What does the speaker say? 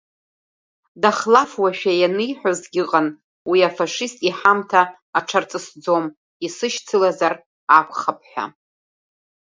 Дахлафуашәа ианиҳәозгьы ыҟан уи афашист иҳамҭа аҽарҵысӡом, исышьцылазар акәхап ҳәа.